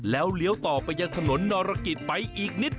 แล้วเลี้ยวต่อไปยังถนนนรกิจไปอีกนิด